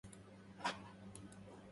بدى سامي مضطربا.